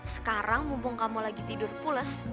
sekarang mumpung kamu lagi tidur pules